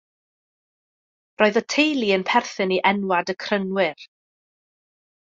Roedd y teulu yn perthyn i enwad y Crynwyr.